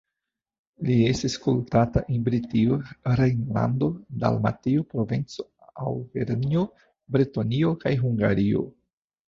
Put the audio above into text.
Li estis kultata en Britio, Rejnlando, Dalmatio, Provenco, Aŭvernjo, Bretonio kaj Hungario.